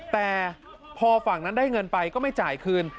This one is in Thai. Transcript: แต่พอฝั่งนั้นได้เงินไปก็ไม่จ่ายคืน